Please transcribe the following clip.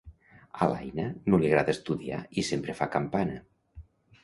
A l'Aina no li agrada estudiar i sempre fa campana: